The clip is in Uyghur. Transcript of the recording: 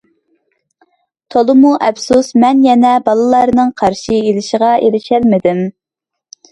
تولىمۇ ئەپسۇس، مەن يەنىلا بالىلارنىڭ قارشى ئېلىشىغا ئېرىشەلمىدىم.